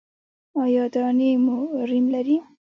ایا دانې مو ریم لري؟